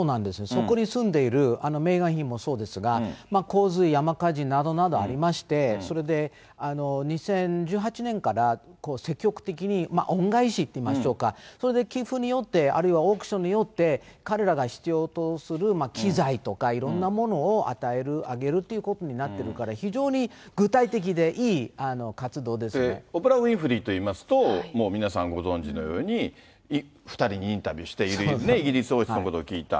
そこに住んでいるメーガン妃もそうですが、洪水、山火事などなどありまして、それで２０１８年から積極的に恩返しといいましょうか、それで寄付によって、あるいはオークションによって、彼らが必要とするきざいとかいろんなものを与える、あげるということになってるから、オプラ・ウィンフリーといいますと、もう皆さんご存じのように、２人にインタビューして、いろいろね、イギリス王室のことを聞いた。